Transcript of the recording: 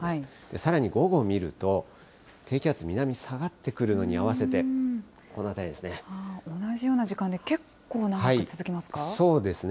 さらに午後見ると、低気圧、南に下がってくるのに合わせて、この同じような時間で、結構長くそうですね。